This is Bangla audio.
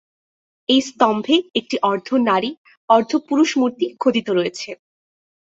এই স্তম্ভে একটি অর্ধনারী-অর্ধপুরুষ মূর্তি খোদিত রয়েছে।